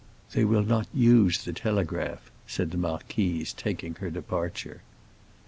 "They will not use the telegraph," said the marquise, taking her departure. M.